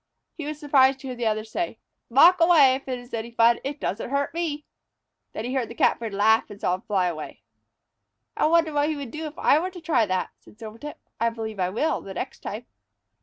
He was surprised to hear the other say: "Mock away, if it is any fun! It doesn't hurt me any." Then he heard the Catbird laugh and saw him fly away. "I wonder what he would do if I were to try that?" said Silvertip. "I believe I will the next time."